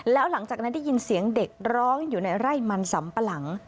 แล้วหลังจากนั้นได้ยินเสียงเด็กร้องอยู่ในไร่มันสำปะหลัง